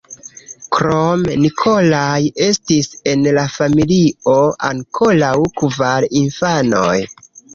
Krom Nikolaj estis en la familio ankoraŭ kvar infanoj.